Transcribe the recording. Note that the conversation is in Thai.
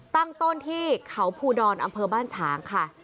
ตั้งต้นที่เขาภูดอนอำเภอบ้านฉางค่ะ